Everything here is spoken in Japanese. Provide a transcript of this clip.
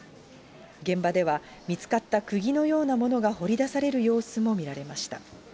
現場では、見つかったくぎのようなものが掘り出される様子も見られました。